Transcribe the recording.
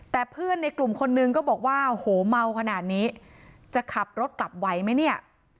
แต่เพื่อนในกลุ่มคนนึงก็บอกว่าโอ้โหเมาขนาดนี้จะขับรถกลับไหวไหมเนี่ย